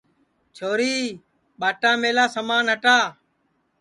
چھوری ٻاٹا مِلا سمان ہٹا